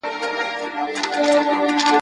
د دې وطن یې په قسمت کي دی ماښام لیکلی ,